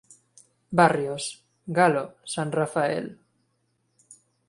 Barrios: Gallo, San Rafael.